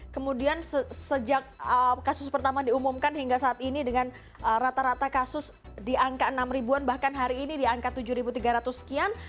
kemudian sejak kasus pertama diumumkan hingga saat ini dengan rata rata kasus di angka enam ribuan bahkan hari ini di angka tujuh tiga ratus sekian